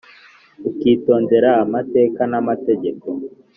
ukitondera amateka n’amategeko